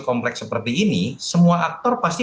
kompleks seperti ini semua aktor pasti